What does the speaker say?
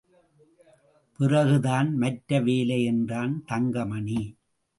பிறகுதான் மற்ற வேலை என்றான் தங்கமணி.